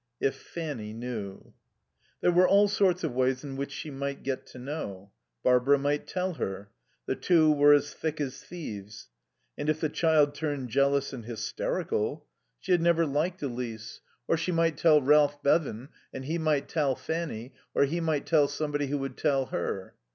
If Fanny knew There were all sorts of ways in which she might get to know. Barbara might tell her. The two were as thick as thieves. And if the child turned jealous and hysterical She had never liked Elise. Or she might tell Ralph Bevan and he might tell Fanny, or he might tell somebody who would tell her.